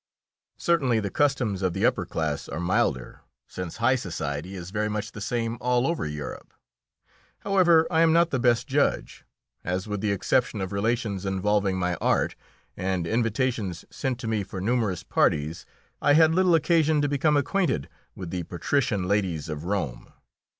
Certainly the customs of the upper class are milder, since high society is very much the same all over Europe. However, I am not the best judge, as with the exception of relations involving my art, and invitations sent to me for numerous parties, I had little occasion to become acquainted with the patrician ladies of Rome.